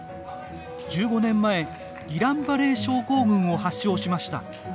１５年前ギラン・バレー症候群を発症しました。